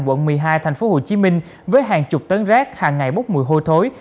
quận một mươi hai tp hcm với hàng chục tấn rác hàng ngày bốc mùi hôi thối